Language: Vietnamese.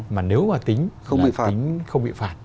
mà nếu mà tính là tính không bị phạt